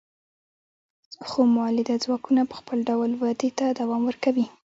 خو مؤلده ځواکونه په خپل ډول ودې ته دوام ورکوي.